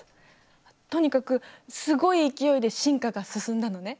とにかくすごい勢いで進化が進んだのね。